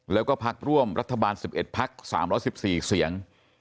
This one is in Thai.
แล้วก็ภักดิ์ร่วมรัฐบาล๑๑ภักดิ์๓๑๔เสียง